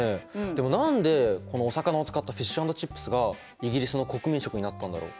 でも何でこのお魚を使ったフィッシュ＆チップスがイギリスの国民食になったんだろう？